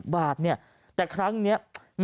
๖๐บาทแต่ครั้งนี้